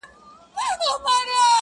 o يــاره مـدعـا يــې خوښه ســـوېده،